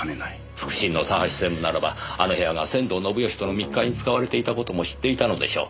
腹心の佐橋専務ならばあの部屋が仙道信義との密会に使われていた事も知っていたのでしょう。